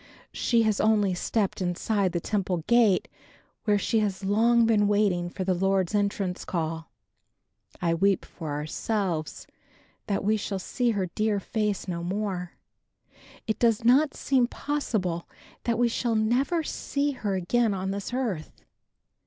She has only stepped inside the temple gate where she has long been waiting for the Lord's entrance call. I weep for ourselves that we shall see her dear face no more. It does not seem possible that we shall never see her again on this earth.